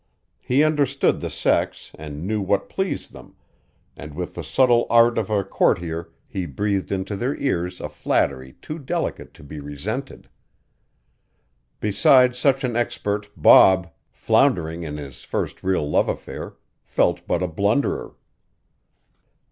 He understood the sex and knew what pleased them, and with the subtle art of a courtier he breathed into their ears a flattery too delicate to be resented. Beside such an expert Bob, floundering in his first real love affair, felt but a blunderer.